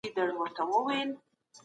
که تدریس روښانه وي، ذهن نه ګډوډېږي.